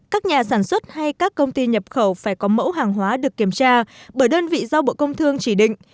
các nhà sản xuất hay các công ty nhập khẩu phải có mẫu hàng hóa được kiểm tra bởi đơn vị do bộ công thương chỉ định